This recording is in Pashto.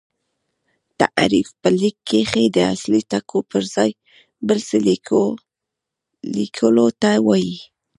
تحریف په لیک کښي د اصلي ټکو پر ځای بل څه لیکلو ته وايي.